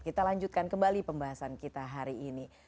kita lanjutkan kembali pembahasan kita hari ini